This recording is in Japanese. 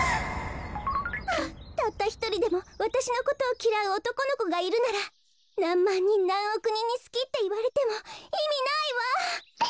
ああたったひとりでもわたしのことをきらうおとこのこがいるならなんまんにんなんおくにんに「すき」っていわれてもいみないわ！